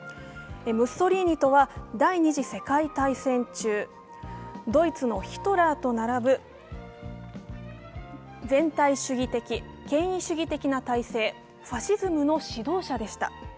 ムッソリーニとは、第二次世界大戦中、ドイツのヒトラーと並ぶ全体的主義的・権威主義的な体制、ファシズムの指導者でした。